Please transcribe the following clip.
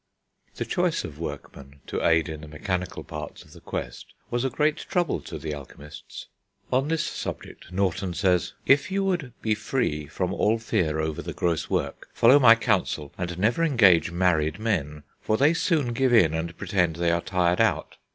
The choice of workmen to aid in the mechanical parts of the quest was a great trouble to the alchemists. On this subject Norton says "If you would be free from all fear over the gross work, follow my counsel, and never engage married men; for they soon give in and pretend they are tired out....